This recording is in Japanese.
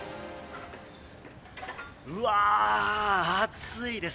うわあ、暑いです。